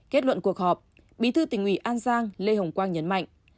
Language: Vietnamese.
kết luận cuộc họp bí thư tỉnh ủy an giang lê hồng quang nhấn mạnh